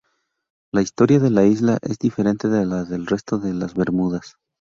La historia de la isla es diferente de la del resto de las Bermudas.